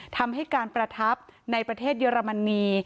ทำให้การประทับในประเทศเยอรมนี